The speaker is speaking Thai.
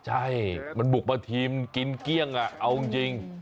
ใช่มันบุกประทีมันกินเกลี้ยงอ่ะเอาจริง